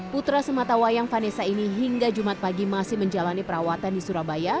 putra sematawayang vanessa ini hingga jumat pagi masih menjalani perawatan di surabaya